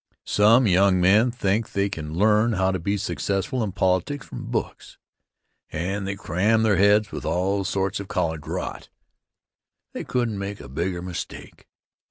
Some young men think they can learn how to be successful in politics from books, and they cram their heads with all sorts of college rot. They couldn't make a bigger mistake.